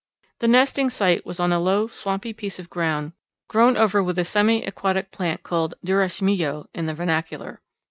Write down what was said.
The nesting site was on a low swampy piece of ground grown over with a semi aquatic plant called durasmillo in the vernacular.